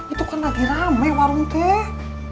itu kan lagi rame warung teh